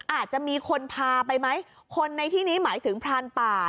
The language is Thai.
อาจจะมีคนพาไปไหมคนในที่นี้หมายถึงพรานป่า